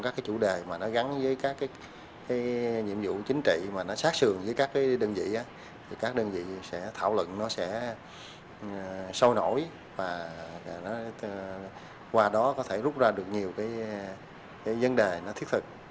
chủ đề mà nó gắn với các nhiệm vụ chính trị mà nó sát sườn với các đơn vị thì các đơn vị sẽ thảo luận nó sẽ sôi nổi và qua đó có thể rút ra được nhiều vấn đề thiết thực